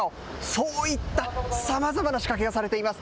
そういったさまざまな仕掛けがされています。